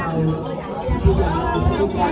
อาจารย์สะเทือนครูดีศิลปันติน